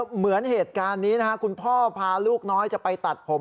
เหมือนเหตุการณ์นี้นะครับคุณพ่อพาลูกน้อยจะไปตัดผม